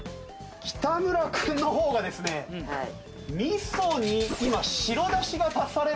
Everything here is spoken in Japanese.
北村君の方がですね味噌に今白出汁が足されまして。